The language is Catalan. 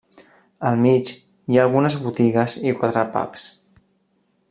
Al mig hi ha algunes botigues i quatre pubs.